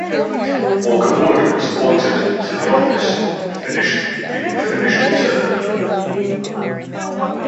Walker Wood was appointed to the office finish the unfinished term.